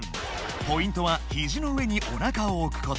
ポイントはひじの上におなかをおくこと。